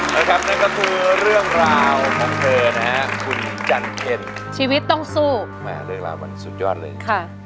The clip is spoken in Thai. มาครับนั่นก็คือเรื่องราวทางเธอนะฮะคนจันทร์เพนต์ชีวิตต้องสู้มาเรื่องราวสุดยอดเลยค่ะ